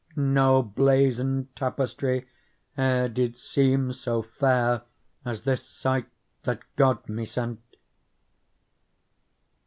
No blazoned tapestry e'er did seem So £Eiir as this sight that God me sent.